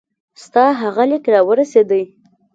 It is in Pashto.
ستا هغه لیک را ورسېدی.